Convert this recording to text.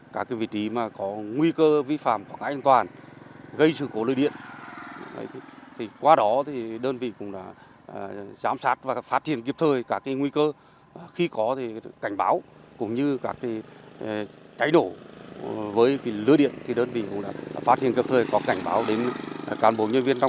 các vị trí yếu trên lưới điện các vị trí yếu trên lưới điện